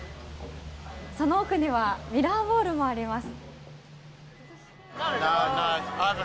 その奥にはミラーボールもあります。